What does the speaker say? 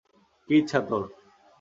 কী ইচ্ছা তোর?